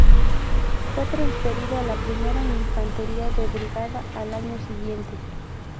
Fue transferido a la Primera Infantería de Brigada al año siguiente.